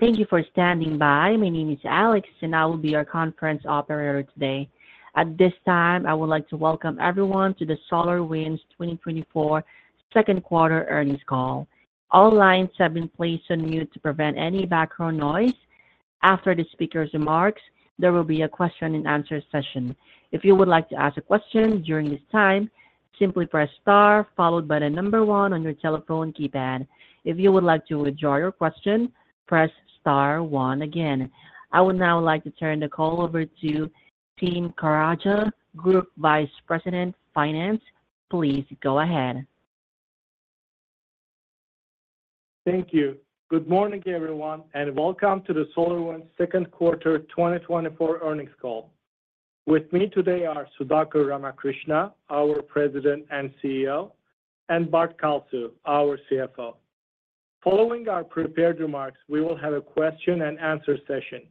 Thank you for standing by. My name is Alex, and I will be your conference operator today. At this time, I would like to welcome everyone to the SolarWinds 2024 second quarter earnings call. All lines have been placed on mute to prevent any background noise. After the speaker's remarks, there will be a question-and-answer session. If you would like to ask a question during this time, simply press star, followed by the number one on your telephone keypad. If you would like to withdraw your question, press star one again. I would now like to turn the call over to Tim Karaca, Group Vice President, Finance. Please go ahead. Thank you. Good morning, everyone, and welcome to the SolarWinds second quarter 2024 earnings call. With me today are Sudhakar Ramakrishna, our President and CEO, and Bart Kalsu, our CFO. Following our prepared remarks, we will have a question-and-answer session.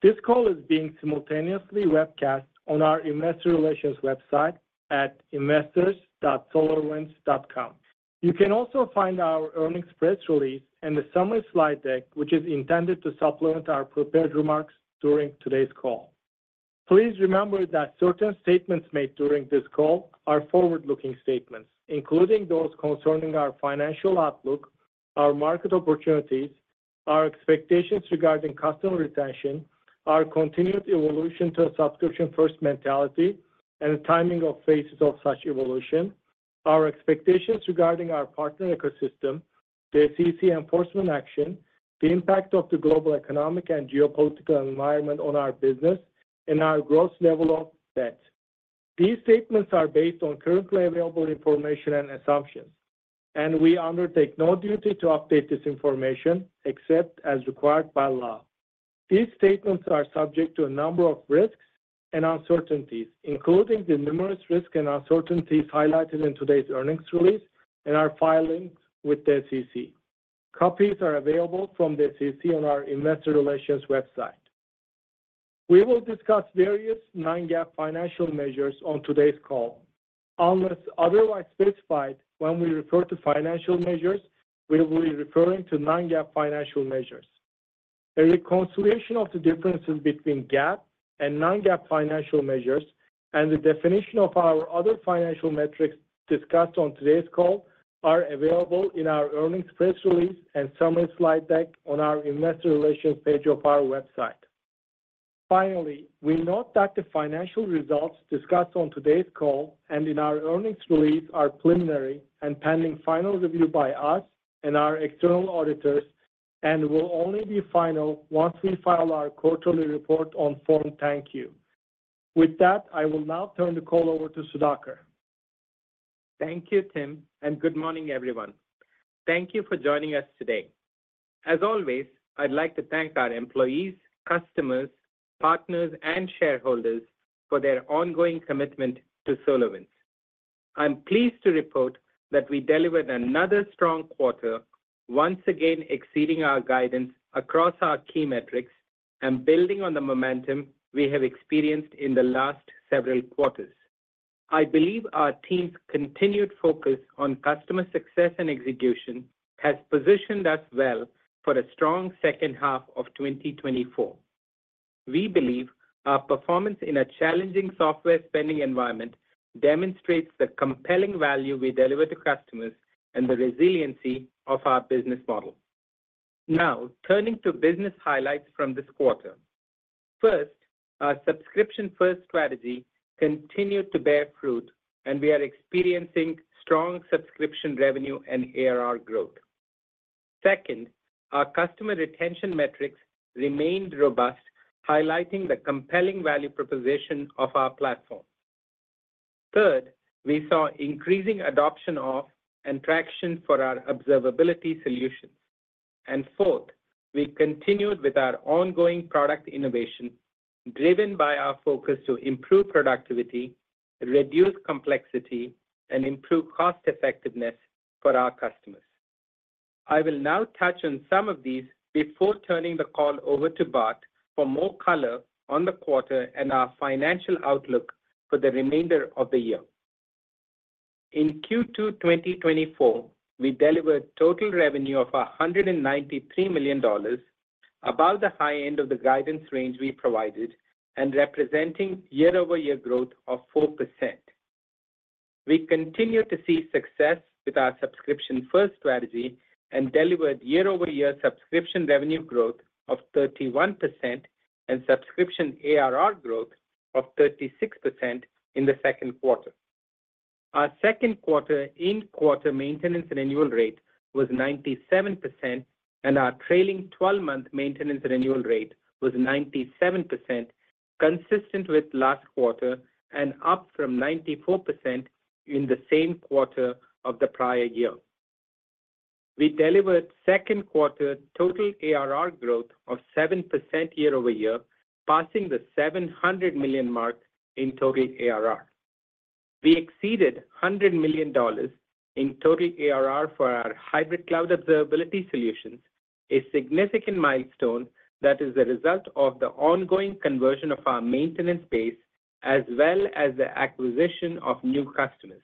This call is being simultaneously webcast on our Investor Relations website at investors.solarwinds.com. You can also find our earnings press release and the summary slide deck, which is intended to supplement our prepared remarks during today's call. Please remember that certain statements made during this call are forward-looking statements, including those concerning our financial outlook, our market opportunities, our expectations regarding customer retention, our continued evolution to a subscription-first mentality, and the timing of phases of such evolution, our expectations regarding our partner ecosystem, the SEC enforcement action, the impact of the global economic and geopolitical environment on our business, and our gross level of debt. These statements are based on currently available information and assumptions, and we undertake no duty to update this information except as required by law. These statements are subject to a number of risks and uncertainties, including the numerous risks and uncertainties highlighted in today's earnings release and our filings with the SEC. Copies are available from the SEC on our Investor Relations website. We will discuss various non-GAAP financial measures on today's call. Unless otherwise specified when we refer to financial measures, we will be referring to non-GAAP financial measures. A reconciliation of the differences between GAAP and non-GAAP financial measures and the definition of our other financial metrics discussed on today's call are available in our earnings press release and summary slide deck on our Investor Relations page of our website. Finally, we note that the financial results discussed on today's call and in our earnings release are preliminary and pending final review by us and our external auditors and will only be final once we file our quarterly report on Form 10-Q. Thank you. With that, I will now turn the call over to Sudhakar. Thank you, Tim, and good morning, everyone. Thank you for joining us today. As always, I'd like to thank our employees, customers, partners, and shareholders for their ongoing commitment to SolarWinds. I'm pleased to report that we delivered another strong quarter, once again exceeding our guidance across our key metrics and building on the momentum we have experienced in the last several quarters. I believe our team's continued focus on customer success and execution has positioned us well for a strong second half of 2024. We believe our performance in a challenging software spending environment demonstrates the compelling value we deliver to customers and the resiliency of our business model. Now, turning to business highlights from this quarter. First, our subscription-first strategy continued to bear fruit, and we are experiencing strong subscription revenue and ARR growth. Second, our customer retention metrics remained robust, highlighting the compelling value proposition of our platform. Third, we saw increasing adoption of and traction for our observability solutions. Fourth, we continued with our ongoing product innovation, driven by our focus to improve productivity, reduce complexity, and improve cost-effectiveness for our customers. I will now touch on some of these before turning the call over to Bart for more color on the quarter and our financial outlook for the remainder of the year. In Q2 2024, we delivered total revenue of $193 million, above the high end of the guidance range we provided and representing year-over-year growth of 4%. We continue to see success with our subscription-first strategy and delivered year-over-year subscription revenue growth of 31% and subscription ARR growth of 36% in the second quarter. Our second quarter-end quarter maintenance renewal rate was 97%, and our trailing 12-month maintenance renewal rate was 97%, consistent with last quarter and up from 94% in the same quarter of the prior year. We delivered second quarter total ARR growth of 7% year-over-year, passing the $700 million mark in total ARR. We exceeded $100 million in total ARR for our Hybrid Cloud Observability solutions, a significant milestone that is the result of the ongoing conversion of our maintenance base as well as the acquisition of new customers.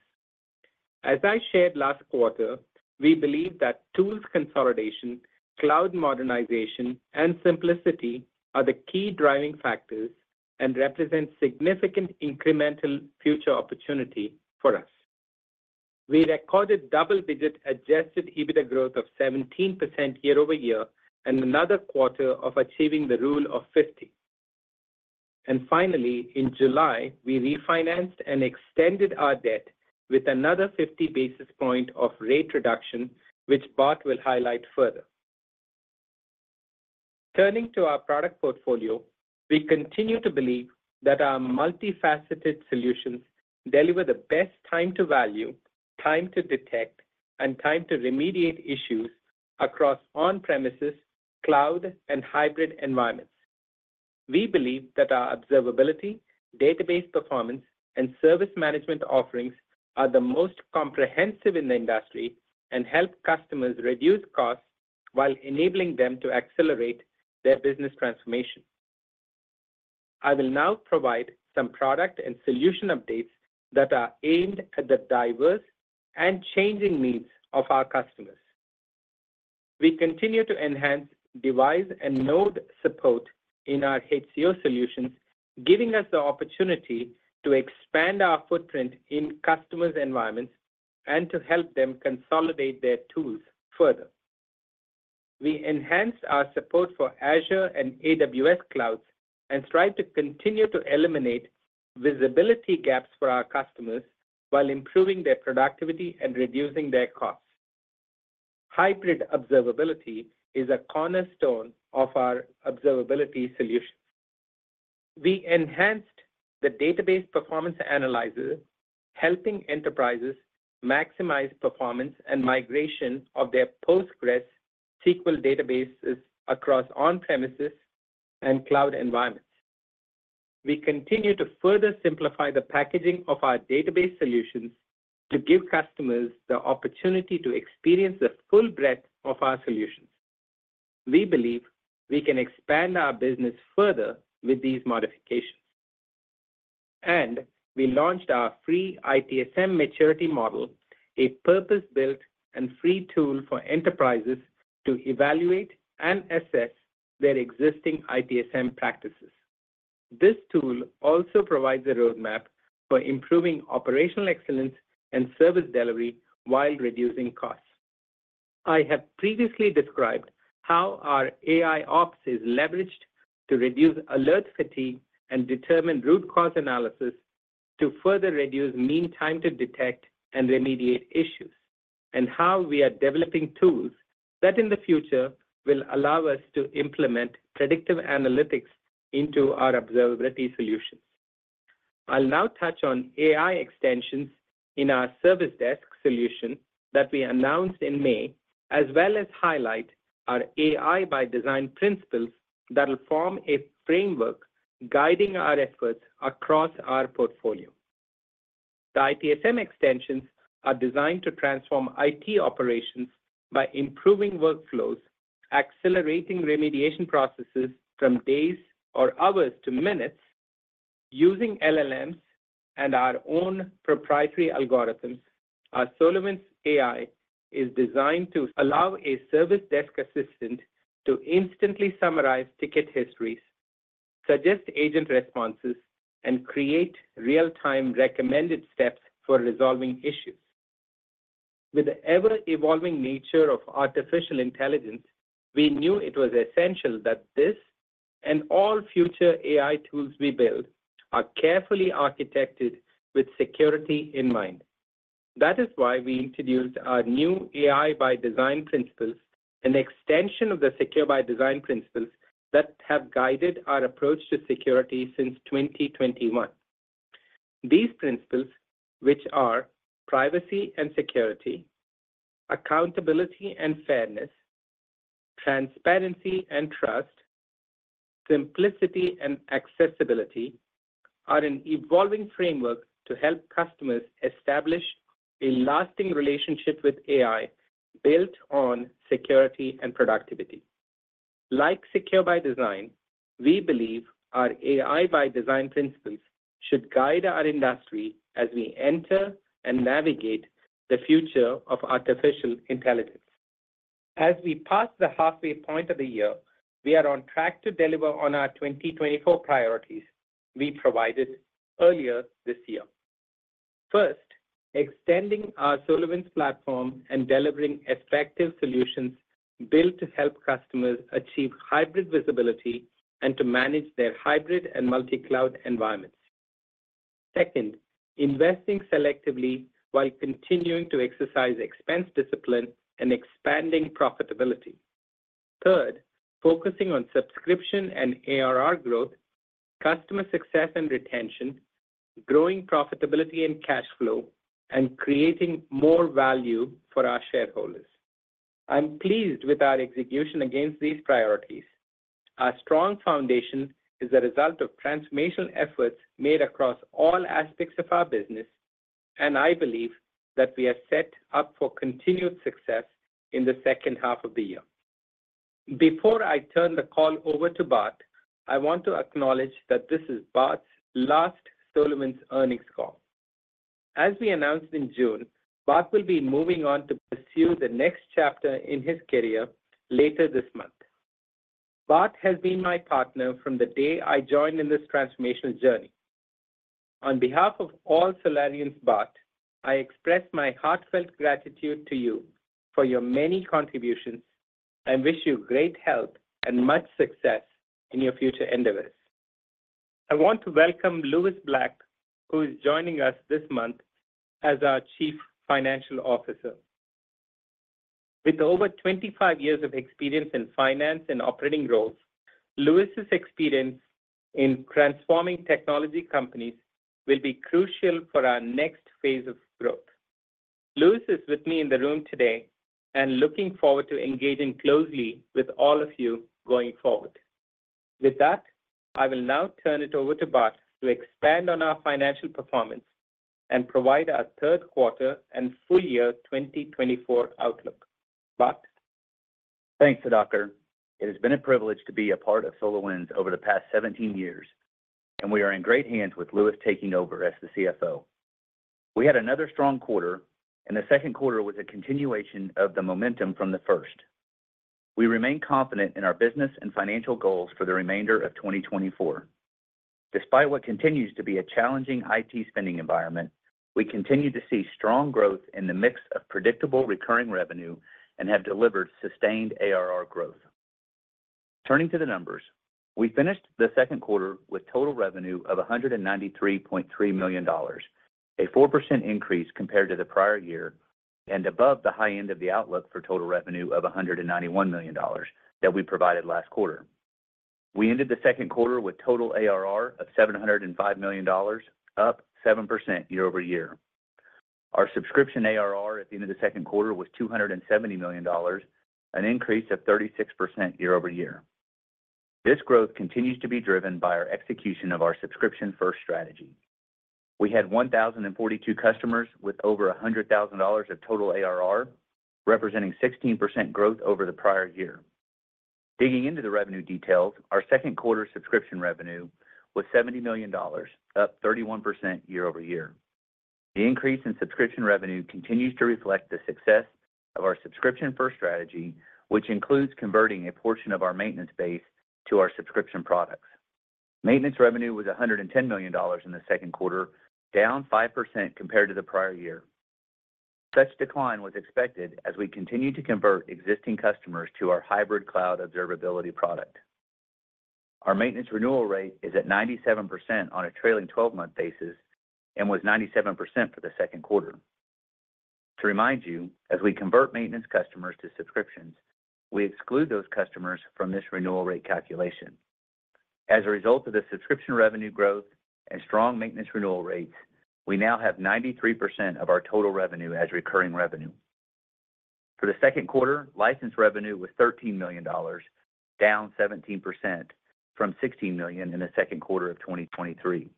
As I shared last quarter, we believe that tools consolidation, cloud modernization, and simplicity are the key driving factors and represent significant incremental future opportunity for us. We recorded double-digit Adjusted EBITDA growth of 17% year-over-year and another quarter of achieving the Rule of 50. And finally, in July, we refinanced and extended our debt with another 50 basis points of rate reduction, which Bart will highlight further. Turning to our product portfolio, we continue to believe that our multifaceted solutions deliver the best time-to-value, time-to-detect, and time-to-remediate issues across on-premises, cloud, and hybrid environments. We believe that our observability, database performance, and service management offerings are the most comprehensive in the industry and help customers reduce costs while enabling them to accelerate their business transformation. I will now provide some product and solution updates that are aimed at the diverse and changing needs of our customers. We continue to enhance device and node support in our HCO solutions, giving us the opportunity to expand our footprint in customers' environments and to help them consolidate their tools further. We enhanced our support for Azure and AWS clouds and strive to continue to eliminate visibility gaps for our customers while improving their productivity and reducing their costs. Hybrid observability is a cornerstone of our observability solutions. We enhanced the Database Performance Analyzer, helping enterprises maximize performance and migration of their PostgreSQL databases across on-premises and cloud environments. We continue to further simplify the packaging of our database solutions to give customers the opportunity to experience the full breadth of our solutions. We believe we can expand our business further with these modifications. We launched our free ITSM maturity model, a purpose-built and free tool for enterprises to evaluate and assess their existing ITSM practices. This tool also provides a roadmap for improving operational excellence and service delivery while reducing costs. I have previously described how our AIOps is leveraged to reduce alert fatigue and determine root cause analysis to further reduce mean time-to-detect and remediate issues, and how we are developing tools that in the future will allow us to implement predictive analytics into our observability solutions. I'll now touch on AI extensions in our service desk solution that we announced in May, as well as highlight our AI by Design principles that will form a framework guiding our efforts across our portfolio. The ITSM extensions are designed to transform IT operations by improving workflows, accelerating remediation processes from days or hours to minutes using LLMs and our own proprietary algorithms. Our SolarWinds AI is designed to allow a service desk assistant to instantly summarize ticket histories, suggest agent responses, and create real-time recommended steps for resolving issues. With the ever-evolving nature of artificial intelligence, we knew it was essential that this and all future AI tools we build are carefully architected with security in mind. That is why we introduced our new AI by Design principles, an extension of the secure by Design principles that have guided our approach to security since 2021. These principles, which are privacy and security, accountability and fairness, transparency and trust, simplicity and accessibility, are an evolving framework to help customers establish a lasting relationship with AI built on security and productivity. Like secure by Design, we believe our AI by Design principles should guide our industry as we enter and navigate the future of artificial intelligence. As we pass the halfway point of the year, we are on track to deliver on our 2024 priorities we provided earlier this year. First, extending our SolarWinds Platform and delivering effective solutions built to help customers achieve hybrid visibility and to manage their hybrid and multi-cloud environments. Second, investing selectively while continuing to exercise expense discipline and expanding profitability. Third, focusing on subscription and ARR growth, customer success and retention, growing profitability and cash flow, and creating more value for our shareholders. I'm pleased with our execution against these priorities. Our strong foundation is the result of transformational efforts made across all aspects of our business, and I believe that we are set up for continued success in the second half of the year. Before I turn the call over to Bart, I want to acknowledge that this is Bart's last SolarWinds earnings call. As we announced in June, Bart will be moving on to pursue the next chapter in his career later this month. Bart has been my partner from the day I joined in this transformational journey. On behalf of all Solarians, Bart, I express my heartfelt gratitude to you for your many contributions and wish you great health and much success in your future endeavors. I want to welcome Lewis Black, who is joining us this month as our Chief Financial Officer. With over 25 years of experience in finance and operating roles, Lewis's experience in transforming technology companies will be crucial for our next phase of growth. Lewis is with me in the room today and looking forward to engaging closely with all of you going forward. With that, I will now turn it over to Bart to expand on our financial performance and provide our third quarter and full year 2024 outlook. Bart? Thanks, Sudhakar. It has been a privilege to be a part of SolarWinds over the past 17 years, and we are in great hands with Lewis taking over as the CFO. We had another strong quarter, and the second quarter was a continuation of the momentum from the first. We remain confident in our business and financial goals for the remainder of 2024. Despite what continues to be a challenging IT spending environment, we continue to see strong growth in the mix of predictable recurring revenue and have delivered sustained ARR growth. Turning to the numbers, we finished the second quarter with total revenue of $193.3 million, a 4% increase compared to the prior year and above the high end of the outlook for total revenue of $191 million that we provided last quarter. We ended the second quarter with total ARR of $705 million, up 7% year-over-year. Our subscription ARR at the end of the second quarter was $270 million, an increase of 36% year-over-year. This growth continues to be driven by our execution of our Subscription-First strategy. We had 1,042 customers with over $100,000 of total ARR, representing 16% growth over the prior year. Digging into the revenue details, our second quarter subscription revenue was $70 million, up 31% year-over-year. The increase in subscription revenue continues to reflect the success of our Subscription-First strategy, which includes converting a portion of our maintenance base to our subscription products. Maintenance revenue was $110 million in the second quarter, down 5% compared to the prior year. Such decline was expected as we continue to convert existing customers to our Hybrid Cloud Observability product. Our maintenance renewal rate is at 97% on a trailing 12-month basis and was 97% for the second quarter. To remind you, as we convert maintenance customers to subscriptions, we exclude those customers from this renewal rate calculation. As a result of the subscription revenue growth and strong maintenance renewal rates, we now have 93% of our total revenue as recurring revenue. For the second quarter, license revenue was $13 million, down 17% from $16 million in the second quarter of 2023.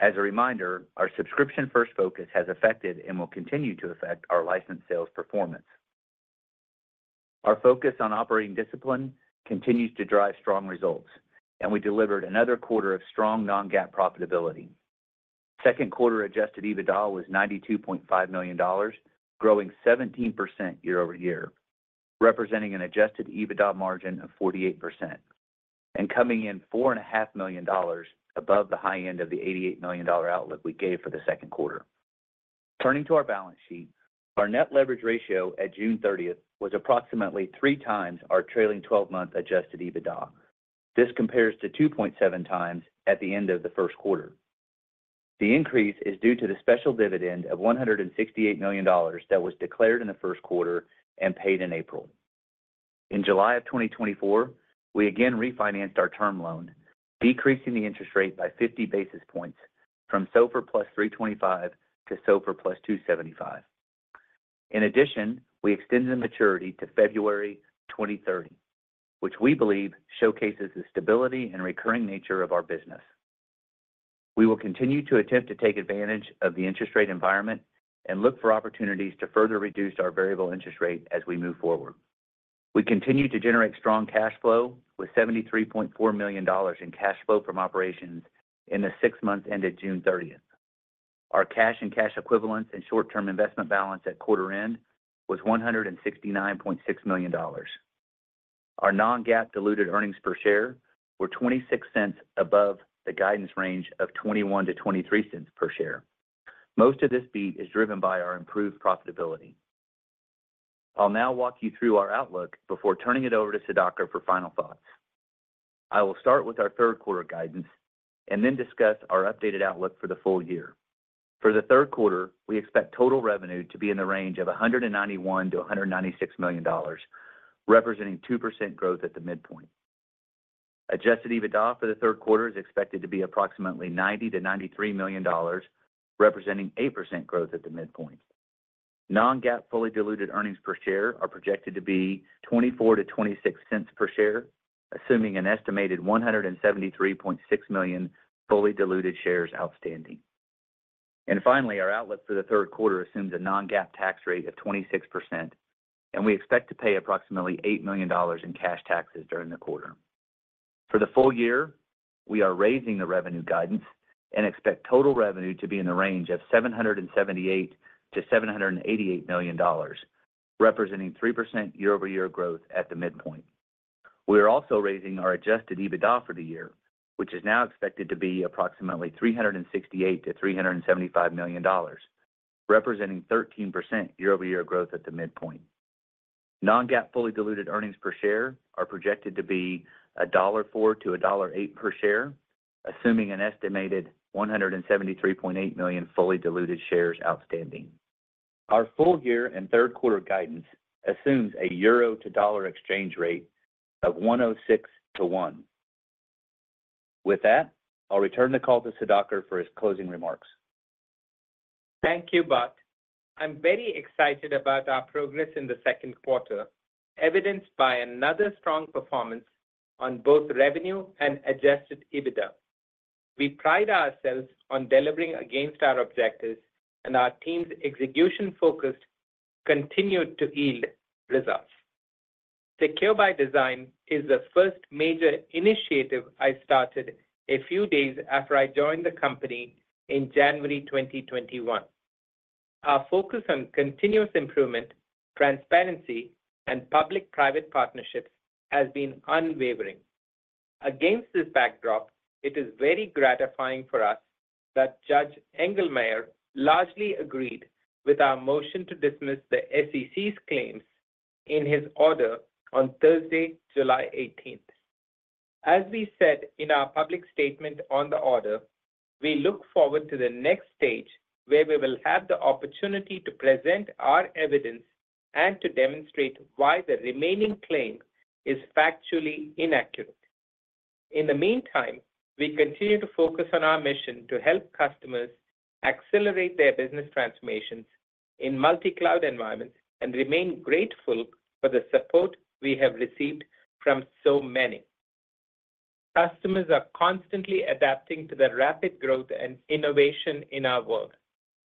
As a reminder, our Subscription-First focus has affected and will continue to affect our license sales performance. Our focus on operating discipline continues to drive strong results, and we delivered another quarter of strong non-GAAP profitability. Second quarter Adjusted EBITDA was $92.5 million, growing 17% year-over-year, representing an Adjusted EBITDA margin of 48%, and coming in $4.5 million above the high end of the $88 million outlook we gave for the second quarter. Turning to our balance sheet, our net leverage ratio at June 30 was approximately three times our trailing 12-month Adjusted EBITDA. This compares to 2.7x at the end of the first quarter. The increase is due to the special dividend of $168 million that was declared in the first quarter and paid in April. In July of 2024, we again refinanced our term loan, decreasing the interest rate by 50 basis points from SOFR+325 to SOFR+275. In addition, we extended the maturity to February 2030, which we believe showcases the stability and recurring nature of our business. We will continue to attempt to take advantage of the interest rate environment and look for opportunities to further reduce our variable interest rate as we move forward. We continue to generate strong cash flow with $73.4 million in cash flow from operations in the six months ended June 30. Our cash and cash equivalents and short-term investment balance at quarter end was $169.6 million. Our non-GAAP diluted earnings per share were 26 cents above the guidance range of 21-23 cents per share. Most of this beat is driven by our improved profitability. I'll now walk you through our outlook before turning it over to Sudhakar for final thoughts. I will start with our third quarter guidance and then discuss our updated outlook for the full year. For the third quarter, we expect total revenue to be in the range of $191 million-$196 million, representing 2% growth at the midpoint. Adjusted EBITDA for the third quarter is expected to be approximately $90 million-$93 million, representing 8% growth at the midpoint. Non-GAAP fully diluted earnings per share are projected to be 24-26 cents per share, assuming an estimated 173.6 million fully diluted shares outstanding. And finally, our outlook for the third quarter assumes a non-GAAP tax rate of 26%, and we expect to pay approximately $8 million in cash taxes during the quarter. For the full year, we are raising the revenue guidance and expect total revenue to be in the range of $778 million-$788 million, representing 3% year-over-year growth at the midpoint. We are also raising our adjusted EBITDA for the year, which is now expected to be approximately $368 million-$375 million, representing 13% year-over-year growth at the midpoint. Non-GAAP fully diluted earnings per share are projected to be $1.04-$1.08 per share, assuming an estimated 173.8 million fully diluted shares outstanding. Our full year and third quarter guidance assumes a euro to dollar exchange rate of 1.06 to 1. With that, I'll return the call to Sudhakar for his closing remarks. Thank you, Bart. I'm very excited about our progress in the second quarter, evidenced by another strong performance on both revenue and Adjusted EBITDA. We pride ourselves on delivering against our objectives, and our team's execution focus continued to yield results. Secure by Design is the first major initiative I started a few days after I joined the company in January 2021. Our focus on continuous improvement, transparency, and public-private partnerships has been unwavering. Against this backdrop, it is very gratifying for us that Judge Engelmayer largely agreed with our motion to dismiss the SEC's claims in his order on Thursday, July 18. As we said in our public statement on the order, we look forward to the next stage where we will have the opportunity to present our evidence and to demonstrate why the remaining claim is factually inaccurate. In the meantime, we continue to focus on our mission to help customers accelerate their business transformations in multi-cloud environments and remain grateful for the support we have received from so many. Customers are constantly adapting to the rapid growth and innovation in our world,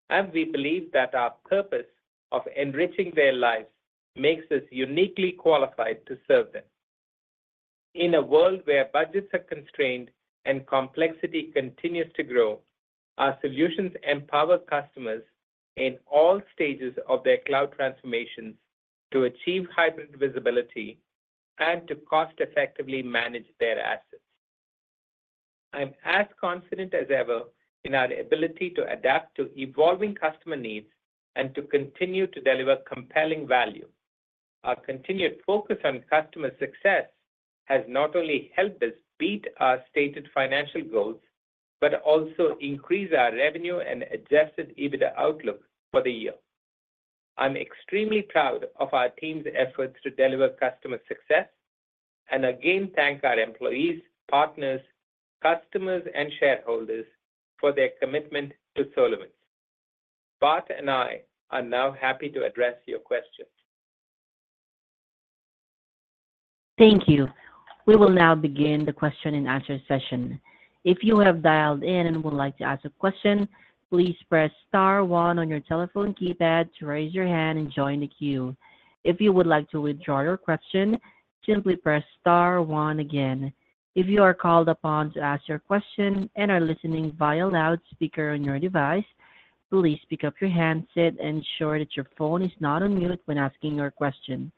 and we believe that our purpose of enriching their lives makes us uniquely qualified to serve them. In a world where budgets are constrained and complexity continues to grow, our solutions empower customers in all stages of their cloud transformations to achieve hybrid visibility and to cost-effectively manage their assets. I'm as confident as ever in our ability to adapt to evolving customer needs and to continue to deliver compelling value. Our continued focus on customer success has not only helped us beat our stated financial goals but also increase our revenue and Adjusted EBITDA outlook for the year. I'm extremely proud of our team's efforts to deliver customer success and again thank our employees, partners, customers, and shareholders for their commitment to SolarWinds. Bart and I are now happy to address your questions. Thank you. We will now begin the question and answer session. If you have dialed in and would like to ask a question, please press star one on your telephone keypad to raise your hand and join the queue. If you would like to withdraw your question, simply press star one again. If you are called upon to ask your question and are listening via loudspeaker on your device, please pick up your handset and ensure that your phone is not on mute when asking your question.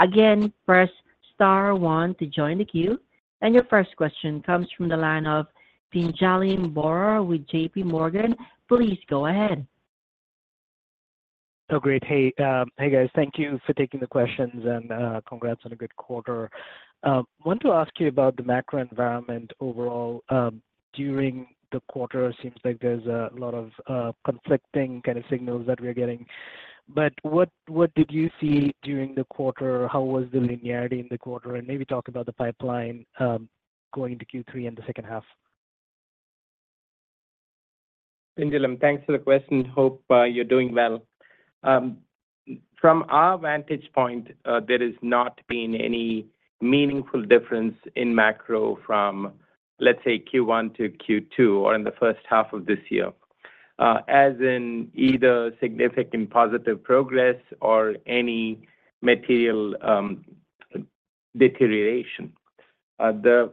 Again, press star one to join the queue. Your first question comes from the line of Pinjalim Bora with J.P. Morgan. Please go ahead. Oh, great. Hey, hey guys. Thank you for taking the questions and congrats on a good quarter. I want to ask you about the macro environment overall. During the quarter, it seems like there's a lot of conflicting kind of signals that we're getting. But what did you see during the quarter? How was the linearity in the quarter? And maybe talk about the pipeline going to Q3 and the second half. Pinjalim, thanks for the question. Hope you're doing well. From our vantage point, there has not been any meaningful difference in macro from, let's say, Q1 to Q2 or in the first half of this year, as in either significant positive progress or any material deterioration. The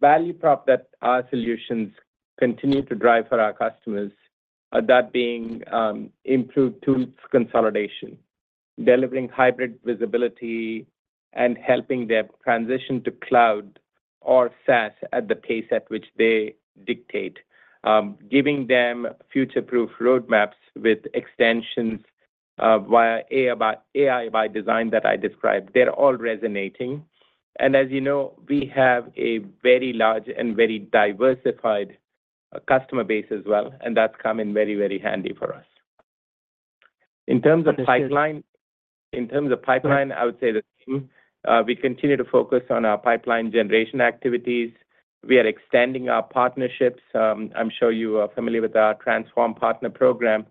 value prop that our solutions continue to drive for our customers are that being improved tools consolidation, delivering hybrid visibility, and helping their transition to cloud or SaaS at the pace at which they dictate, giving them future-proof roadmaps with extensions via AI by Design that I described. They're all resonating. And as you know, we have a very large and very diversified customer base as well, and that's come in very, very handy for us. In terms of pipeline, in terms of pipeline, I would say the same. We continue to focus on our pipeline generation activities. We are extending our partnerships. I'm sure you are familiar with our Transform Partner Program.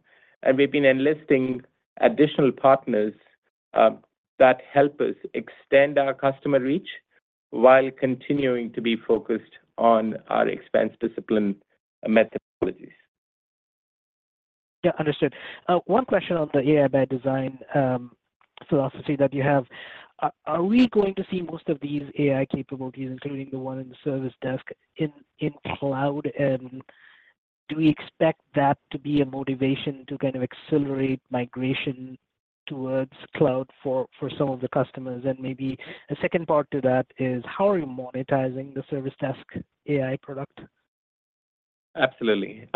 We've been enlisting additional partners that help us extend our customer reach while continuing to be focused on our expense discipline methodologies. Yeah, understood. One question on the AI by Design philosophy that you have. Are we going to see most of these AI capabilities, including the one in the service desk, in cloud? And do we expect that to be a motivation to kind of accelerate migration towards cloud for some of the customers? And maybe a second part to that is, how are you monetizing the service desk AI product? Absolutely.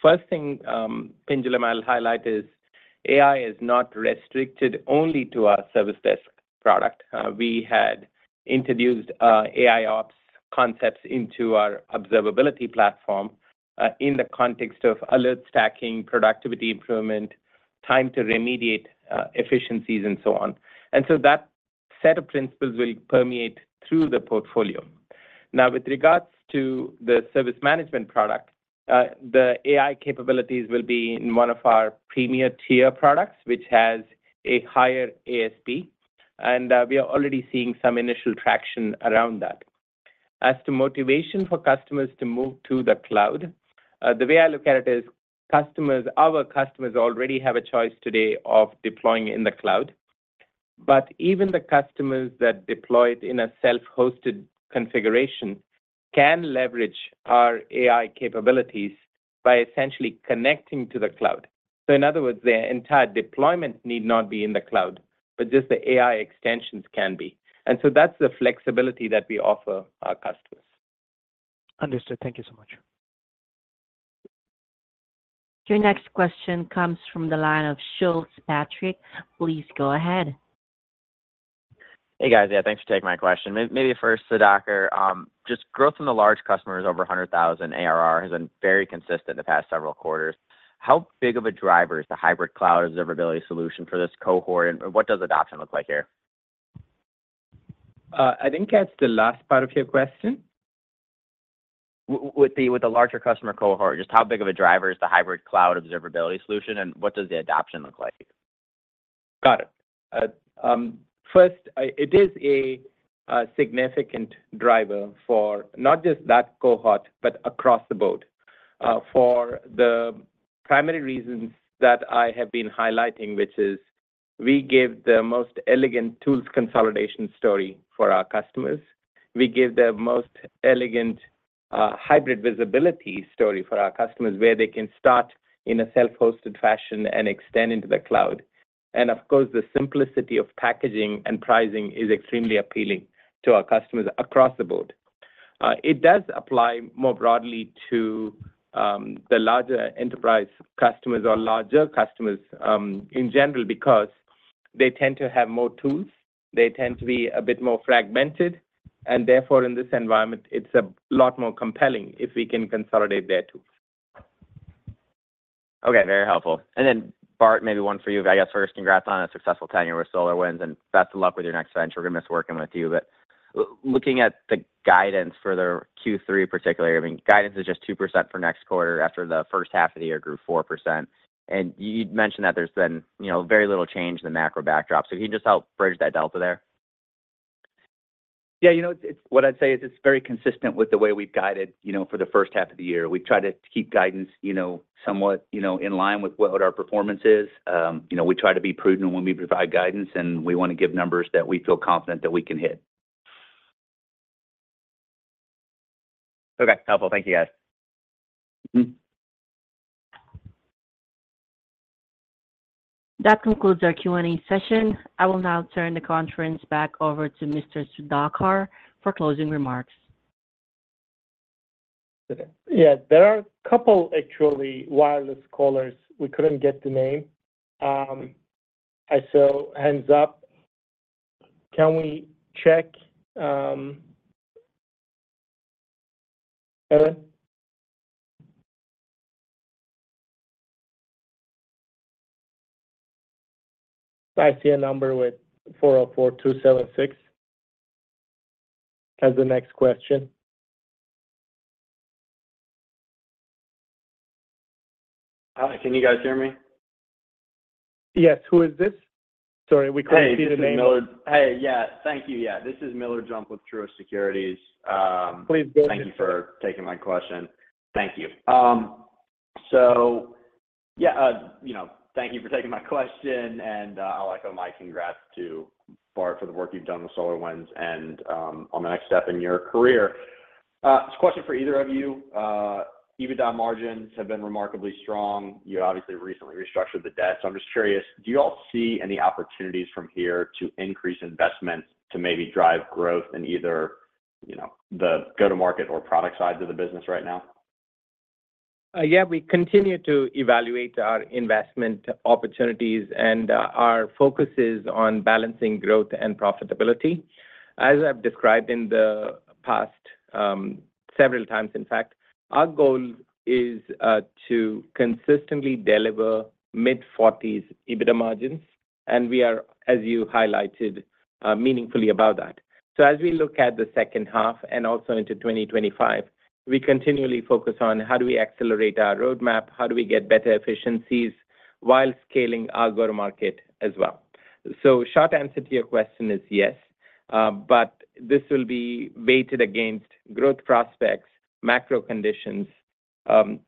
First thing, Pinjalim, I'll highlight is AI is not restricted only to our service desk product. We had introduced AIOps concepts into our observability platform in the context of alert stacking, productivity improvement, time to remediate efficiencies, and so on. And so that set of principles will permeate through the portfolio. Now, with regards to the service management product, the AI capabilities will be in one of our premier tier products, which has a higher ASP. And we are already seeing some initial traction around that. As to motivation for customers to move to the cloud, the way I look at it is customers, our customers already have a choice today of deploying in the cloud. But even the customers that deploy it in a self-hosted configuration can leverage our AI capabilities by essentially connecting to the cloud. In other words, their entire deployment need not be in the cloud, but just the AI extensions can be. So that's the flexibility that we offer our customers. Understood. Thank you so much. Your next question comes from the line of Patrick Schulz. Please go ahead. Hey, guys. Yeah, thanks for taking my question. Maybe first, Sudhakar, just growth in the large customers over 100,000 ARR has been very consistent the past several quarters. How big of a driver is the Hybrid Cloud Observability solution for this cohort? And what does adoption look like here? I think that's the last part of your question. With the larger customer cohort, just how big of a driver is the Hybrid Cloud Observability solution? And what does the adoption look like? Got it. First, it is a significant driver for not just that cohort, but across the board. For the primary reasons that I have been highlighting, which is we give the most elegant tools consolidation story for our customers. We give the most elegant hybrid visibility story for our customers where they can start in a self-hosted fashion and extend into the cloud. And of course, the simplicity of packaging and pricing is extremely appealing to our customers across the board. It does apply more broadly to the larger enterprise customers or larger customers in general because they tend to have more tools. They tend to be a bit more fragmented. And therefore, in this environment, it's a lot more compelling if we can consolidate their tools. Okay, very helpful. And then, Bart, maybe one for you. I guess first, congrats on a successful tenure with SolarWinds and best of luck with your next venture. We're going to miss working with you. But looking at the guidance for their Q3 particularly, I mean, guidance is just 2% for next quarter. After the first half of the year, it grew 4%. And you'd mentioned that there's been very little change in the macro backdrop. So can you just help bridge that delta there? Yeah, you know what I'd say is it's very consistent with the way we've guided for the first half of the year. We've tried to keep guidance somewhat in line with what our performance is. We try to be prudent when we provide guidance, and we want to give numbers that we feel confident that we can hit. Okay, helpful. Thank you, guys. That concludes our Q&A session. I will now turn the conference back over to Mr. Sudhakar for closing remarks. Yeah, there are a couple actually wireless callers. We couldn't get the name. I saw hands up. Can we check? I see a number with 404276 as the next question. Can you guys hear me? Yes. Who is this? Sorry, we couldn't see the name. Hey, this is Miller. Hey, yeah. Thank you. Yeah, this is Miller Jump with Truist Securities. Please go ahead. Thank you for taking my question. Thank you. So yeah, thank you for taking my question. And I'll echo my congrats to Bart for the work you've done with SolarWinds and on the next step in your career. This question for either of you. EBITDA margins have been remarkably strong. You obviously recently restructured the debt. So I'm just curious, do you all see any opportunities from here to increase investment to maybe drive growth in either the go-to-market or product sides of the business right now? Yeah, we continue to evaluate our investment opportunities, and our focus is on balancing growth and profitability. As I've described in the past several times, in fact, our goal is to consistently deliver mid-40s EBITDA margins. And we are, as you highlighted, meaningfully above that. So as we look at the second half and also into 2025, we continually focus on how do we accelerate our roadmap, how do we get better efficiencies while scaling our go-to-market as well. So short answer to your question is yes, but this will be weighted against growth prospects, macro conditions,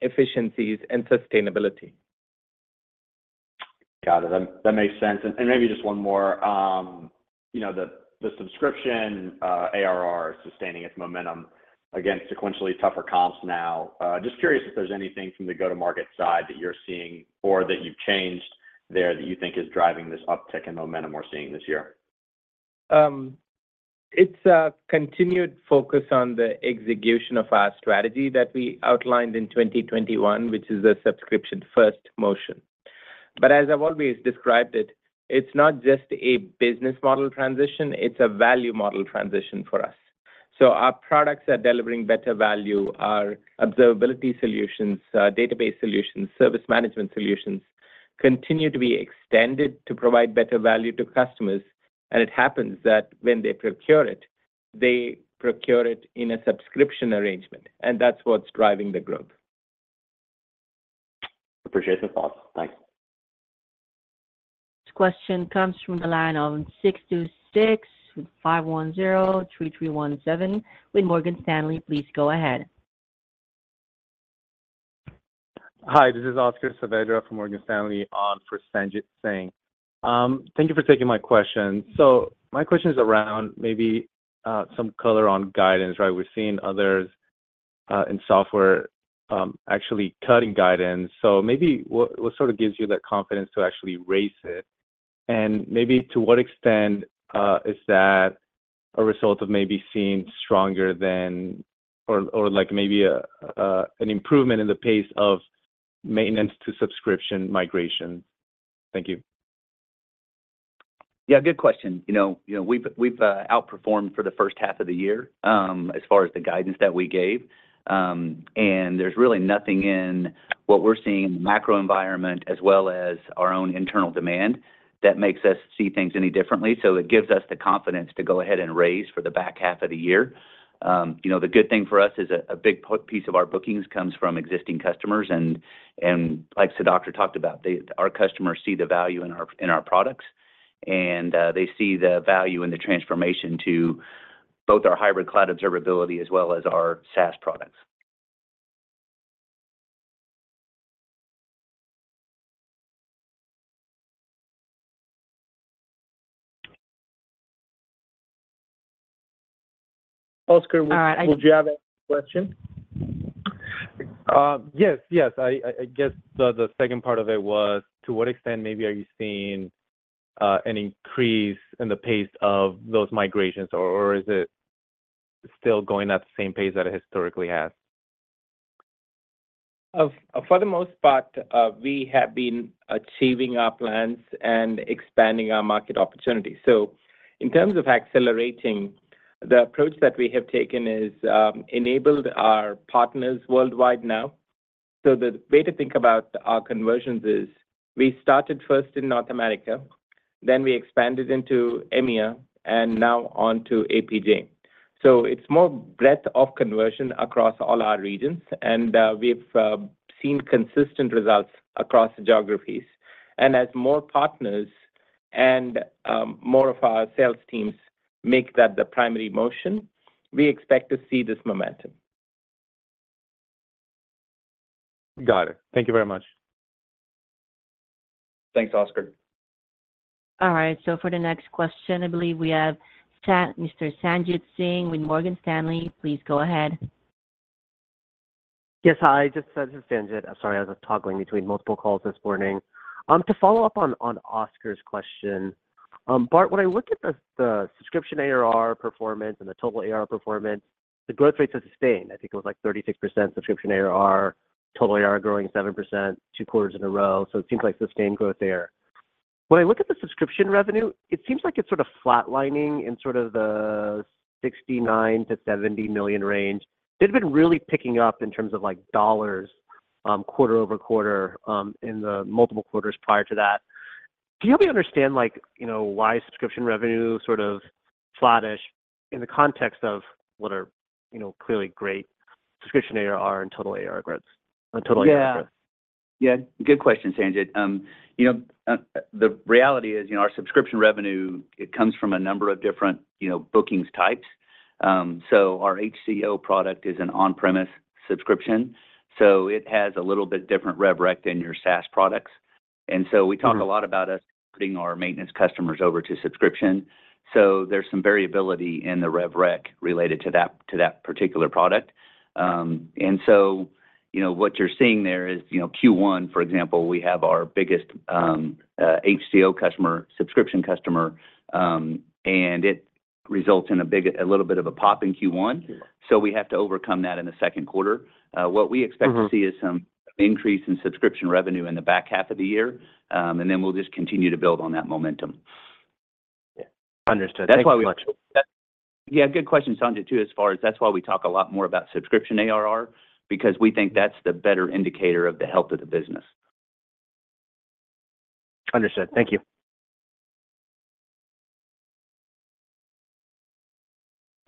efficiencies, and sustainability. Got it. That makes sense. And maybe just one more. The subscription ARR is sustaining its momentum against sequentially tougher comps now. Just curious if there's anything from the go-to-market side that you're seeing or that you've changed there that you think is driving this uptick in momentum we're seeing this year? It's a continued focus on the execution of our strategy that we outlined in 2021, which is a Subscription-First motion. But as I've always described it, it's not just a business model transition. It's a value model transition for us. So our products are delivering better value. Our observability solutions, database solutions, service management solutions continue to be extended to provide better value to customers. And it happens that when they procure it, they procure it in a subscription arrangement. And that's what's driving the growth. Appreciate the thoughts. Thanks. This question comes from the line of 626 510 3317 with Morgan Stanley. Please go ahead. Hi, this is Oscar Saavedra from Morgan Stanley on for Sanjit Singh. Thank you for taking my question. So my question is around maybe some color on guidance, right? We've seen others in software actually cutting guidance. So maybe what sort of gives you that confidence to actually raise it? And maybe to what extent is that a result of maybe seeing stronger than or maybe an improvement in the pace of maintenance to subscription migrations? Thank you. Yeah, good question. We've outperformed for the first half of the year as far as the guidance that we gave. There's really nothing in what we're seeing in the macro environment as well as our own internal demand that makes us see things any differently. It gives us the confidence to go ahead and raise for the back half of the year. The good thing for us is a big piece of our bookings comes from existing customers. Like Sudhakar talked about, our customers see the value in our products. They see the value in the transformation to both our Hybrid Cloud Observability as well as our SaaS products. Oscar, would you have a question? Yes, yes. I guess the second part of it was to what extent maybe are you seeing an increase in the pace of those migrations? Or is it still going at the same pace that it historically has? For the most part, we have been achieving our plans and expanding our market opportunity. So in terms of accelerating, the approach that we have taken is enabled our partners worldwide now. So the way to think about our conversions is we started first in North America, then we expanded into EMEA, and now on to APJ. So it's more breadth of conversion across all our regions. And we've seen consistent results across the geographies. And as more partners and more of our sales teams make that the primary motion, we expect to see this momentum. Got it. Thank you very much. Thanks, Oscar. All right. So for the next question, I believe we have Mr. Sanjit Singh with Morgan Stanley. Please go ahead. Yes, hi. Just Sanjit. I'm sorry. I was just toggling between multiple calls this morning. To follow up on Oscar's question, Bart, when I look at the subscription ARR performance and the total ARR performance, the growth rate's a sustained. I think it was like 36% subscription ARR, total ARR growing 7%, two quarters in a row. So it seems like sustained growth there. When I look at the subscription revenue, it seems like it's sort of flatlining in sort of the $69 million-$70 million range. It's been really picking up in terms of dollars quarter over quarter in the multiple quarters prior to that. Can you help me understand why subscription revenue is sort of flattish in the context of what are clearly great subscription ARR and total ARR growth? Yeah. Yeah. Good question, Sanjit. The reality is our subscription revenue. It comes from a number of different bookings types. So our HCO product is an on-premise subscription. So it has a little bit different RevRec than your SaaS products. And so we talk a lot about us putting our maintenance customers over to subscription. So there's some variability in the RevRec related to that particular product. And so what you're seeing there is Q1, for example. We have our biggest HCO customer, subscription customer, and it results in a little bit of a pop in Q1. So we have to overcome that in the second quarter. What we expect to see is some increase in subscription revenue in the back half of the year. And then we'll just continue to build on that momentum. Understood. Thank you so much. Yeah, good question, Sanjit, too, as far as that's why we talk a lot more about subscription ARR because we think that's the better indicator of the health of the business. Understood. Thank you.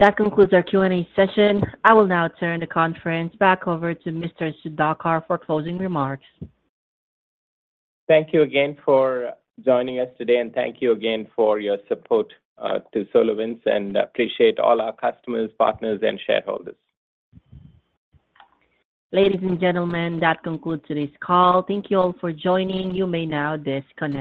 That concludes our Q&A session. I will now turn the conference back over to Mr. Sudhakar for closing remarks. Thank you again for joining us today. Thank you again for your support to SolarWinds. I appreciate all our customers, partners, and shareholders. Ladies and gentlemen, that concludes today's call. Thank you all for joining. You may now disconnect.